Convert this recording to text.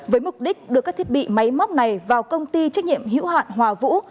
với mục đích đưa các thiết bị máy móc này vào công ty trách nhiệm hữu hạn hòa vũ